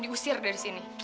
diusir dari sini